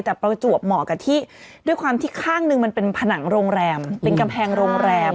แต่ประจวบเหมาะกับที่ด้วยความที่ข้างหนึ่งมันเป็นผนังโรงแรมเป็นกำแพงโรงแรม